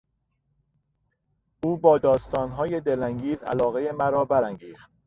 او با داستانهای دلانگیز علاقهی مرا برانگیخت.